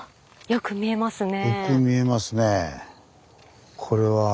よく見えますねぇ。